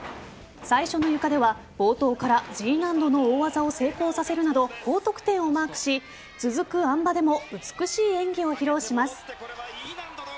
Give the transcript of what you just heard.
最初のゆかでは冒頭からＧ難度の大技を成功させるなど高得点をマークし続くあん馬でも美しい演技を披露します。